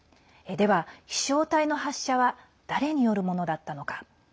では、飛しょう体の発射は誰によるものだったのか。